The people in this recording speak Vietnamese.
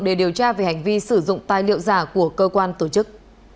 để điều tra về hành vi sử dụng tài liệu giả của cơ quan tổ chức